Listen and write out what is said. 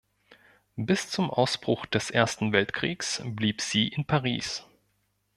Bis zum Ausbruch des Ersten Weltkriegs blieb sie in Paris.